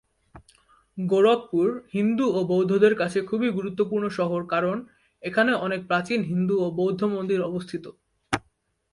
গোরখপুর হিন্দু ও বৌদ্ধদের কাছে খুবই গুরুত্বপূর্ণ শহর কারণ, এখানে অনেক প্রাচীন হিন্দু ও বৌদ্ধ মন্দির অবস্থিত।